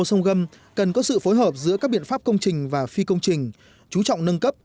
sông gâm cần có sự phối hợp giữa các biện pháp công trình và phi công trình chú trọng nâng cấp